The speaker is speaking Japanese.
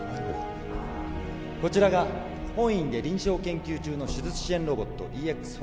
こちらが本院で臨床研究中の手術支援ロボット